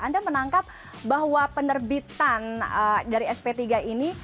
anda menangkap bahwa penerbitan dari sp tiga ini